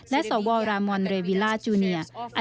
และสวรามอนเรวิล่าจูเนีย